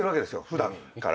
普段から。